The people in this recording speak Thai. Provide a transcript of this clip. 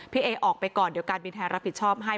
เอออกไปก่อนเดี๋ยวการบินไทยรับผิดชอบให้